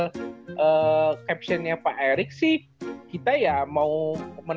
tapi kalau misalnya bekas cadari hasil